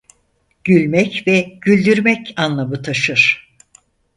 Gülmek ve güldürmek anlamı taşır.